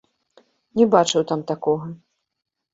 Не бачыў там такога.